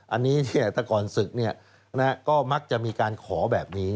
อันนี้แต่ก่อนศึกก็มักจะมีการขอแบบนี้